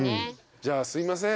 じゃあすいません。